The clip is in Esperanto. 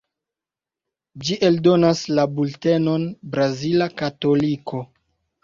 Ĝi eldonas la bultenon "Brazila Katoliko".